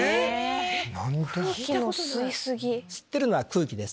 吸ってるのは空気です